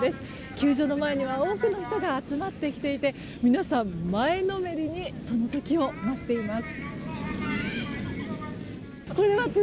球場の前には多くの人が集まってきていて皆さん、前のめりにその時を待っています。